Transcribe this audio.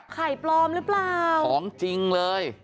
ไข่ปลอมหรือเปล่าของจริงเลย